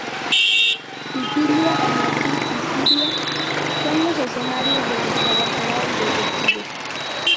Sicilia, Madrid y Siria son los escenarios donde trabajará el detective.